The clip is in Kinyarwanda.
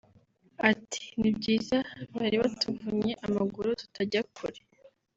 Ati “ ni byiza bari batuvunnye amaguru tutajya kure